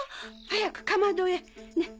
早くかまどへねっ。